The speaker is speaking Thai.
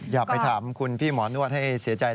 อย่าไปถามคุณพี่หมอโน้นให้เสียใจเลย